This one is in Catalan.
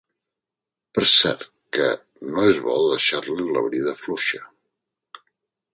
Per cert que... no és bo deixar-li la brida fluixa.